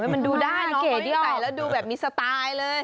มันดูได้เนอะคนที่ใส่แล้วดูแบบมีสไตล์เลย